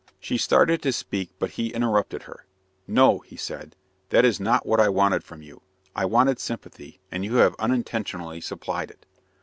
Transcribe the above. She started to speak, but he interrupted her. "No," he said, "that is not what I wanted from you. I wanted sympathy, and you have unintentionally supplied it."